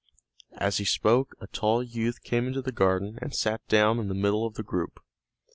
As he spoke a tall youth came into the garden and sat down in the middle of the group.